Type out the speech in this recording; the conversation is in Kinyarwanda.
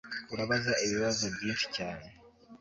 Urabaza ibibazo byinshi cyane